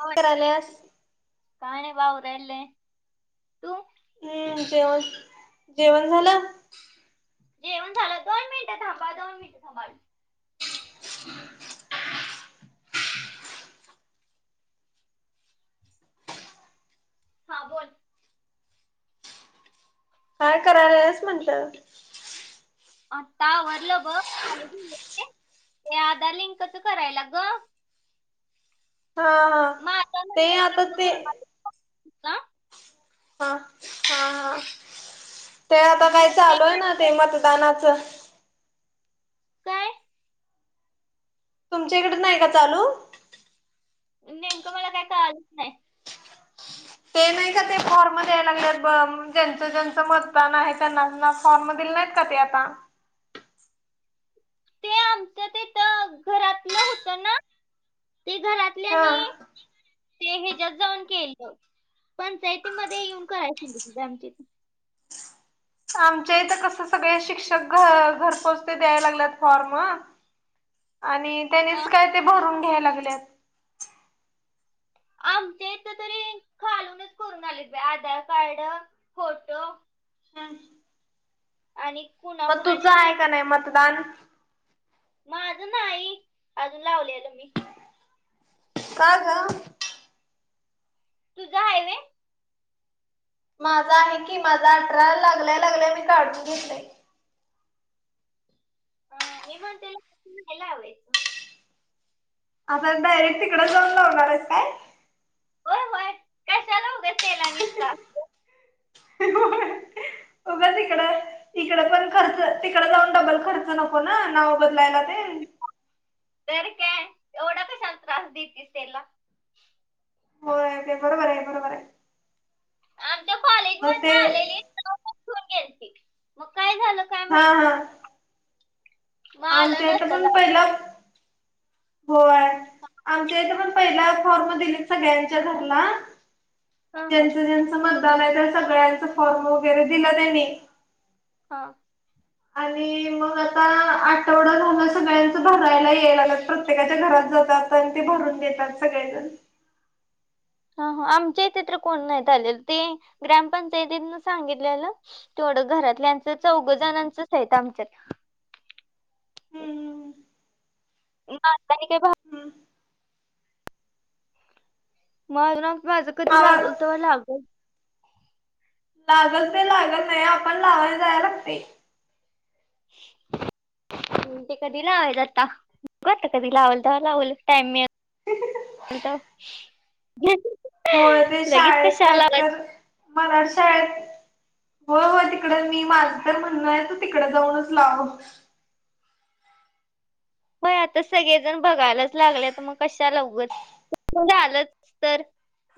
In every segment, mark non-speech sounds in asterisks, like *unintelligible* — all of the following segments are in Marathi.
हो कराल्यास. काय नाही बघ आवरलेय. तू? हम्म, जेवण जेवण झालं? जेवण झालं, दोन मिनटं थांबा दोन मिनटं थांबा. *unintelligible* हां बोल. काय कराल्यास म्हटलं? आत्ता आवरलं. बघ खाली गेले. *inaudible* ते आधार लिंकच करायला ग. हां हां माझा ते नंबर आता लिंक ते *unintelligible* हां, हां हां ते आता काय मग ते चालू आहे ना म्हटलं ते मतदानाचं काय तुमच्या इकड नाही का चालू? नेमकं मला काय कळलंच नाही. ते नाही का ते फॉर्म द्यायला लागलेत बघ ज्यांचं ज्यांचं मतदान आहे त्यांना फॉर्म दिले नाहीत का ते आता? ते आमच्या तिथं घरातलं होत ना ते घरात हां. ते हेच्यात जाऊन केलं. पंचायतीमध्ये येऊन कराय सांगितलय आमच्या इथं. आमच्या इथं कस सगळे शिक्षक घ घर पोहोच ते द्याय लागल्यात फॉर्म. आणि त्यांनीच काय ते भरून घ्याय लागल्यात. आमच्या इथं तरी खालूनच करून आलेत बाई आधार कार्ड, फोटो. हम्म. आणि स्कूल मग तुझं आहे का नाही मतदान? माझं नाही अजून लावलेलं मी. का ग? तुझं आहे होय? माझं आहे की माझं अठरा लागल्या लागल्या मी काढून घेतलंय. अ मी पण त्याला *unintelligible* आता डायरेक्ट तिकडंच जाऊन लावणार आहेस काय? होय होय कशाला उगाच त्याला आणि त्रास. देऊ? होय उगा तिकडं इकडं पण खर्च तिकड जाऊन डबल खर्च नको ना नाव बदलायला तेन. तर काय एवढा कशाला त्रास देतीस त्याला. होय ते बरोबर आहे बरोबर आहे. आमच्या कॉलेज अ ते मग काय झालं काय हा माहित हा. बाई मग आलं आमच्या हित नसल पण पहिला होय आमच्या इथे पण पहिला फॉर्म दिलेत सगळ्यांच्या घरला हा हा ज्यांच ज्यांचं मतदान आहे त्या सगळ्यांच फॉर्म वगैरे दिलं त्यांनी. हा. आणि मग आता आठवडा झाल सगळ्यांच भरायला यायला लागल्यत प्रत्येकाच्या घरात जातात. पण ते भरून देतात सगळेजण. ह हं आमच्या इथे तर कोण नाहीत आलेलं ते ग्रामपंचायतीन सांगितलेलं. तेवडं घरातल्यांचं चौघ जणांचच आहेत आमच्यात. हम्म *unintelligible* हम्म. मग *unintelligible* माझं कधी आवाज लागल तवा लाग लागत ते लागल नाही आपण लावायला जाया लागतेय. *inaudible* हम ते कधी लावायच आता बघु आता कधी लावाल तवा लावल टाइम मि त. होय ते शाळेत काय तर मराठ शाळेत हो हो तिकड मी माझ तर म्हणणय तू तिकडे जाऊनच लाव बय आता सगळेजण बघायलाच लागले तर मग कशाला उगच *unintelligible* झालंच तर.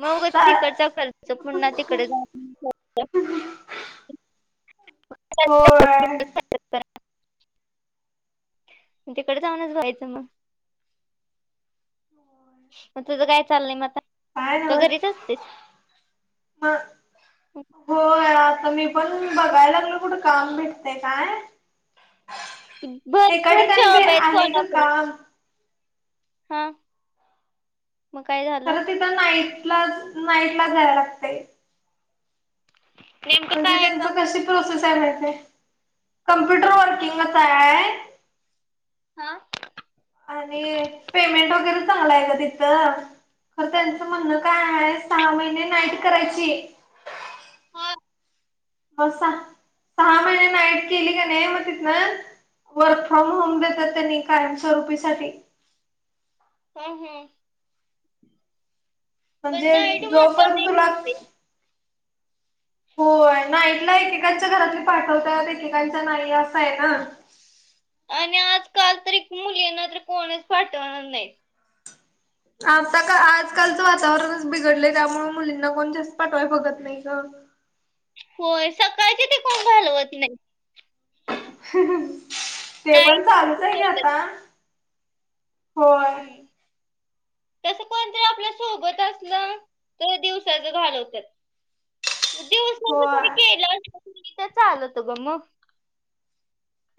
मग उग तिकडचा खर्च पुन्हा तिकडे जाऊन होय. तिकड जाऊनच भरायचं मग. मग तुझं काय चाललय मग आता काय का घरीच असतेस? हं. होय आता मी पण बघायला लागलोय कुठ काम भेटतय काय. *inaudible* एका भरपूर ठिकाणी बी जॉब आहेत आहे ग कोल्हापूरात. काम हम्म मग काय झालं? तिथ नाईटलाच नाईटलाच जाया लागतय. नेमकं म्हणजे काय आहे त्यांच काम? कशी प्रोसेस आहे महितय कम्प्युटर वर्किंगचाय. हा. आणि पेमेंट वगैरे चांगलाय गं तिथं. तर त्यांचं म्हणणं काय आहे सहा महिने नाईट करायची हा मग सहा सहा महिने नाईट केली का नाही मग तिथन वर्क फ्रॉम होम देतात त्यांनी कायमस्वरूपीसाठी. हा हा म्हणजे नाईट म्हटलं जोपर्यंत नाही तुला *unintelligible* होय नाईटला एकेकांच्या घरातली पाठवतात एकेकांच्या नाही असं आहे ना. आणि आजकाल तरीक मुलींना तर कोणच पाठवणार नाही. आता का आजकालचं वातावरणच बिघडलंय त्यामुळे मुलींना कोण जास्त पाठवाय बघत नाही गं. होय सकाळचे ते कोण घालवत नाही. ते पण नाईट ला चालूच आहे ग घालवतात. आता. होय हम्म‌. तस कोणतर आपल्या सोबत असलं तर दिवसाच घालवतात. दिवस नाही मग तरी होय. केलं तर चाल होत ग मग.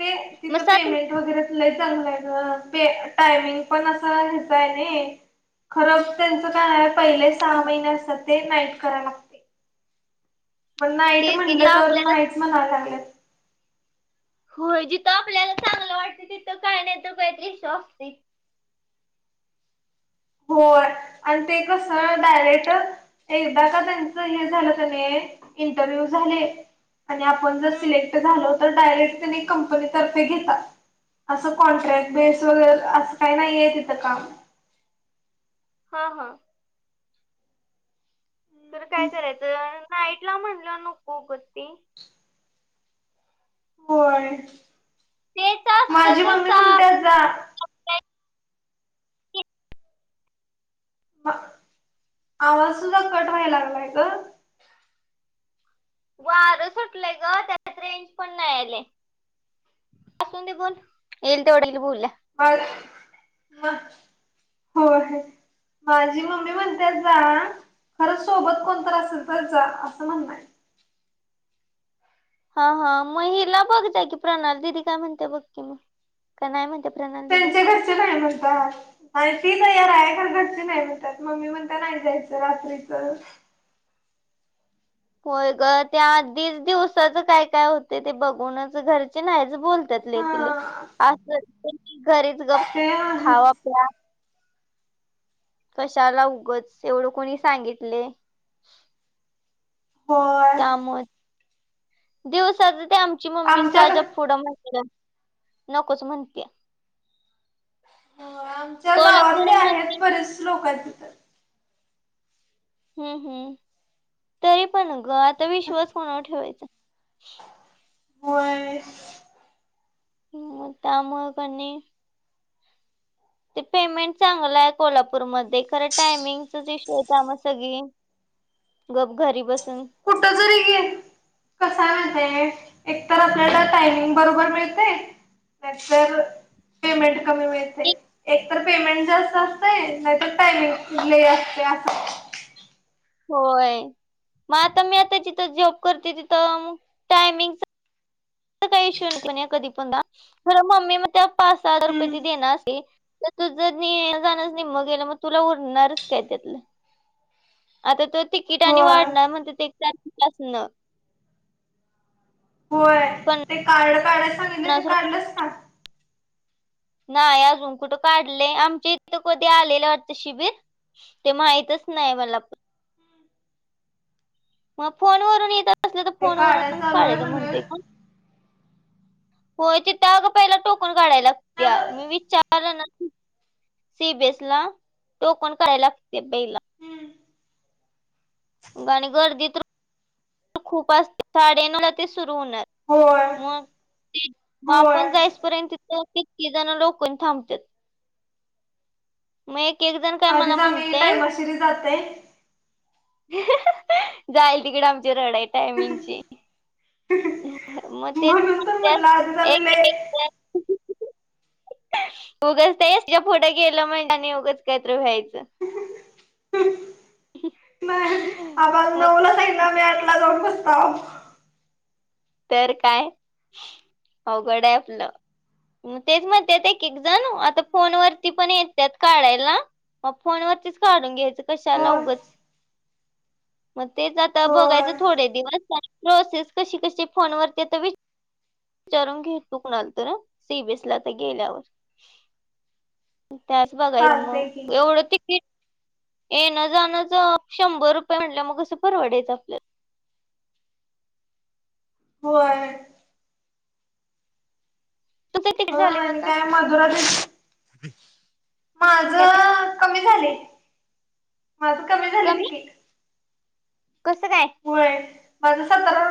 ते मग तिथं सात पेमेंट वगैरे लय चांगलंय ग पे टायमिंग पण असं ह्याच आहे न‌ई. खरं त्यांचं काय पहिले हा सहा महिने असतात ते नाईट करायला लागते. पण नाईट तेच की जिथं म्हणलं तर आपल्याला नाहीच म्हणायला लागल्यात. होय. जिथं आपल्याला चांगलं वाटत तिथं काय नाही काय तर ईशू असतोय. होय‌. आणि ते कसं डायरेक्ट एकदा का त्यांच हे झालं कनी इंटरव्ह्यू झाली आणि आपण जर हम्म. सिलेक्ट झालो तर डायरेक्ट त्यानी कंपनीतर्फे घेतात. असं कॉन्ट्रॅक्ट बेस वगैरे असं काही नाहीये तिथं काम. हा हा. तर काय करायचं. नाईट ला म्हणलं नको ग ते. होय. तेच असतं माझी मम्मी तसं म्हणते जा. *unintelligible* म आवाज सुद्धा कट व्हायला लागलाय गं. वार सुटलंय गं. त्यात रेंज पण नाही आले. असून दे बोल. येईल तेवढ येईल बोलुया. हो आहे. माझी मम्मी म्हणते जा‌. खरं सोबत कोणतर असेल तर जा. असं म्हणणय. हा हा मग हिला बघ जा की प्रणाल दिदी काय म्हणते बघ की मग. का नाही म्हणते प्रणाली दिदि. त्यांच्या घरचे नाही म्हणतात. आणि ती तयार आहे खर घरची नाही म्हणतात मंम्मी म्हणते नाही जायचं रात्रीच. होय ग. ते आधीच दिवसाच काय काय होते ते बघूनच घरचे नाहीच बोलत तसले तीले हा अस घरीच गप ते आहेच खावा पिव कशाला उगच. एवढं कोणी सांगितले. होय त्यामुळे‌. दिवसाच त्यात तीची मम्मी आमच्या साहाचा होय पुुडं म्हणटल नकोच म्हणत्या. आमच्या गावातले कोल्हापूर मध्ये आहेत बरेच लोक आहेत तिथ. हम्म हम्म. तरी पण गं. आता विश्वास कोणावर ठेवायचा? होय. म् त्यामुळे कणी ते पेमेंट चांगलं आहे कोल्हापूरमध्ये. खरं टायमिंगच इशू आहे त्यामुळे सगळी गप घरी बसून कुठ जरी घेतल कसाय माहित हाय एकतर आपल्याला टायमिंग बरोबर मिळत नाही तर पेमेंट कमी मिळतंय. एक ए क तर पेमेंट जास्त असतय नाहीतर टायमिंग ल‌ई असतया. होय. मग आता मी आता जिथं जॉब करतोय तिथं टायमिंग काही इशू नाही कधी पण जा. मम्मी म्हणे त्या पाच हजार हम्म रुपये देनार हे तर तू येन-जाणरच निम्मा गेलं मग तुला उरणारच काय त्यातलं. आता त तिकीट आणि होय. वाढणार म्हणत्यात एक तारखेपासनं‌. होय. ते कार्ड *unintelligible* सांगित पन्नास रुप नाही, अजून कुठं काढलंय? आमच्या इथं कुठ आलेल *unintelligible* शिबिर. ते माहितच नाही मला प मग फोन वरुन येत असलं तर ते फोन काढाय वूरुनच चालू आहे काढायचं म्हण. म्हणतेय का? होय, तिथ अग पहिला टोकन काढाय लागत्या. मी विचारलं ना सी बी एस ला. टोकन काढाय लागते पहीला. आणि गर्दीत तर *inaudible* खूप असते. साडे नऊला ते सुरू होणार. होय मग, मग होय आपण जाइस पर्यंत तिथ कीती जण *unintelligible* थांबत्यात. मग एक एक जण काय आधी मला म्हणते *unintelligible* जाते जाईल तिकड आमची रड आहे टायमिंगची. मग म्हणून तर तेच म्हणलं आधीच *unintelligible* आम्ही लय एक एक जण उगंच ते *unintelligible* आणि उगंच काहीतरी व्हायचं. *inaudible* काल नऊला सांगितल. *unintelligible* तर काय. अवघड आहे आपलं. म तेच म्हणत्यात एक, एक जण. आता फोन वरती पण येत्यात काढायला. मग फोनवरतीच काढून घ्यायचं कशाला होय उगच. मग तेच आता बघायच होय थोडे दिवस, प्रोसेस कशी, कशी फोन वरती तर विच विचारून घेइल तो कुणाला तरी, सी बी एस ला आता गेल्यावर. त्याच बघायच मग, चालतय की एवढं तीकीट येण जाणंच शंभर रुपये म्हटलं मग कसं परवडायचं आपल्याला? होय. तुमचं तिकीट हो झाले मग आणि आता काय *unintelligible* माझ काय ते कमी झाले. माझ कमी झाले तिकीट. कसं काय? व्हय. माझं सतरा,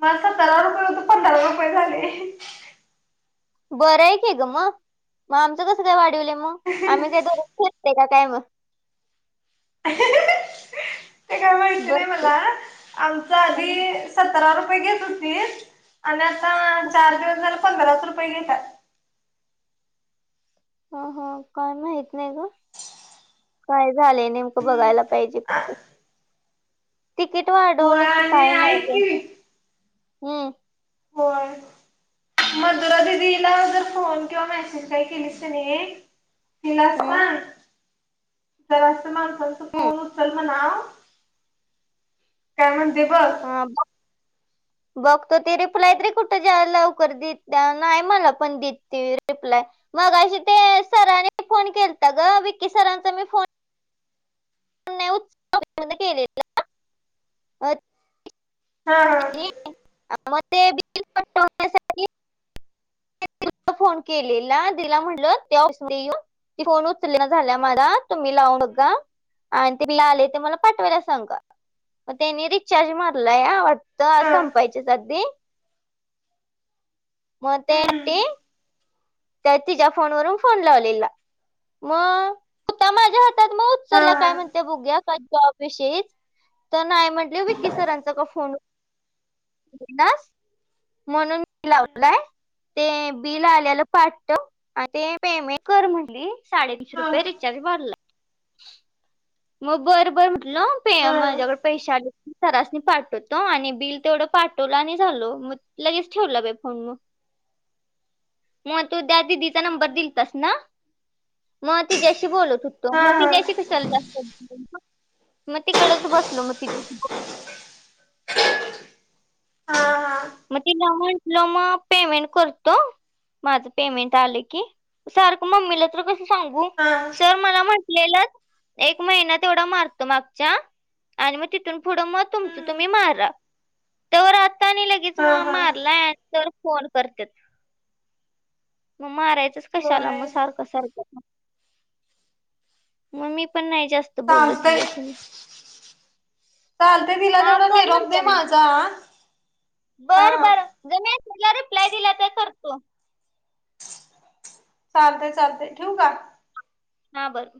माझ सतरा रुपये होत पंधरा रुपये झाले. बरं आहे की ग मग. मग आमचं कसं काय वाढीवल मग. आम्ही काय दरोज फिरतोय का काय मग? *inaudible* ते काय *unintelligible* माहीत नाही बरं मला. आमच आधी सतरा रुपये घेत होती आणि आत आता चार दिवस झाल पंधराच रुपये घेतात. ह, ह काय माहित नाही ग. काय झालेय नेमकं हम्म बघायला पाहिजे आ फक्त. तिकीट होय वाढवलं की आणि काही नाही ऐक ग. की हम्. होय. मधूरा दिदीला जर फोन किंवा मेसेज काही केलीस की नाही तिला हम्म सांग, जरासं माणसांचा हम्म फोन उचल. हा, काय म्हणती बघ. हा *inaudible* बघतो ती रिप्लाय तरी कुठे द्या लवकर देत, नाही मला पण देत ती रिप्लाय. मगाशी ते सरांनी फोन केलता ग विक्की सरांचा मी फोन फोन नाही उचलला म्हणून केलेला. अं, हा, म तेबी तीतकच तोडण्यासाठी *inaudible* फोन केलेला तिला म्हटलं त्यास नी येऊ ती फोन उचलं न झाल्या माझा, तुम्ही लावा हम्म. बघा. आणि ते मिला आले ते मला पाठवायला सांगा, मग त्यानी रिचार्ज मारलाय आट तर हा संपायचे सधदी म त्या येती चालतय त्यात तिच्या फोन वरुन फोन लावलेला म तता माझ्या हातात मग उचलला काय म्हणते बघुयात त्या जॉब विषयीच तर नाही म्हंटल विकी सरांचा का फोन हुनास म्हणून मी लावलाय. ते बिल आल्याला पाठव आणि ते पेमेंट कर म्हणली. साडेतीनशे रुपये रिचार्ज भरलाय. मग बरं, बर म्हटलं पै माझ्याकडडे पैसे आले मी सरासनी पाठवतो आणि बिल तेवढं पाठवलं आणि झालो मग लगेच ठेवला बाई फोन मग. *inaudible* म तू त्या दिदीचा नंबर दिलंतास ना? म तिच्या्याशी बोलत होतो, मग तिच्या्याशी कशला जास्त म तिकडच बसलो, मग तिथे मग तिला म्हंटलं म पेमेंट करतो. माझं पेमेंट आलं की, सारख मम्मीला तर कस सांगू? सर मला म्हटलेलं एक महिना तेवढा मारतो मागच्या आणि म तिथून पुढं मग तुमच तुम्ही मारा तेवर आत्ता नी म मारला तर फोन करत्यात, मग मारायच मारायचं कशाला मग सारख-सारख म, मग मी पण नाही जास्त बोलत तिच्याशी मी. चालते तिला हा तेवढा कर निरोप दे माझा हा बरं- बरं जर जमेत मीला रिप्लाय दिला तर करतो. चालतंय -चालतंय ठेवु का? हा बर.